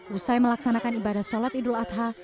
usai melaksanakan ibadah sholat idul adha